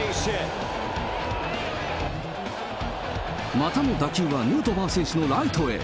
またも打球はヌートバー選手のライトへ。